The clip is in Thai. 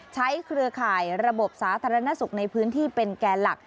เครือข่ายระบบสาธารณสุขในพื้นที่เป็นแก่หลัก